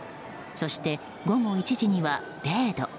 そして午後１時には０度。